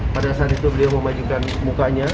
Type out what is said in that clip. pada saat itu beliau memajukan mukanya